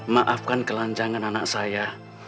maafkan kelanjangan anak saya